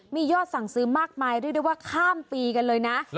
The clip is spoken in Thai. มียอดสั่งซื้อมากมายเรียกได้ว่าข้ามปีกันเลยนะ